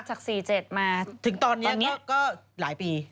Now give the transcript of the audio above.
จาก๔๗มาถึงตอนนี้ก็หลายปี